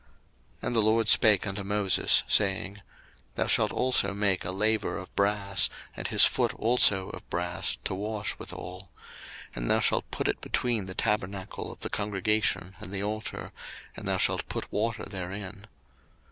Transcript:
02:030:017 And the LORD spake unto Moses, saying, 02:030:018 Thou shalt also make a laver of brass, and his foot also of brass, to wash withal: and thou shalt put it between the tabernacle of the congregation and the altar, and thou shalt put water therein.